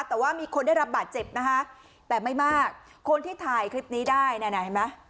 แต่ว่ามีคนได้รับบาดเจ็บนะคะแต่ไม่มากคนที่ถ่ายคลิปนี้ได้นะเห็นไหม